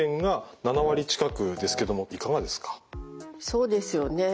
そうですよね。